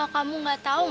atau kamu gak mau pulang